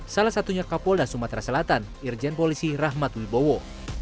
salah satunya kapolda sumatera selatan irjen polisi rahmat wibowo